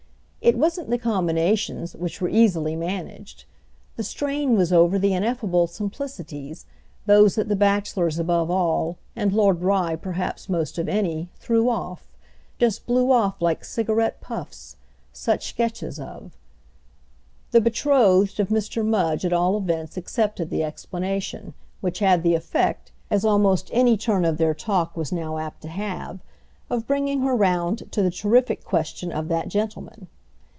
It wasn't the combinations, which were easily managed: the strain was over the ineffable simplicities, those that the bachelors above all, and Lord Rye perhaps most of any, threw off—just blew off like cigarette puffs—such sketches of. The betrothed of Mr. Mudge at all events accepted the explanation, which had the effect, as almost any turn of their talk was now apt to have, of bringing her round to the terrific question of that gentleman.